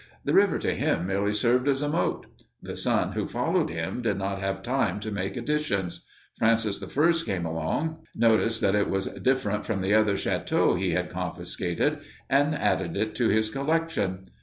The river to him, merely served as a moat. The son who followed him did not have time to make additions. Francis I came along, noticed that it was different from the other châteaux he had confiscated, and added it to his collection.